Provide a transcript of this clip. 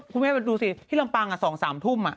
คุณแม่ดูสิที่ลำปาง๒๓ทุ่ม